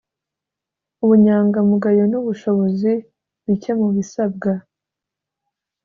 ubunyangamugayo n’ubushobozi: bike mu bisabwa